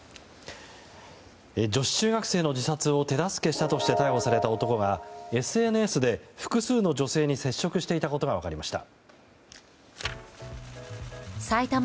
女子中学生の自殺を手助けしたとして逮捕された男がＳＮＳで複数の女性に接触していたことが分かりました。